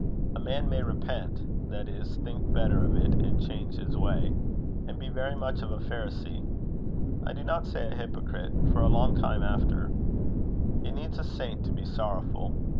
A man may repent, that is, think better of it, and change his way, and be very much of a Pharisee I do not say a hypocrite for a long time after: it needs a saint to be sorrowful.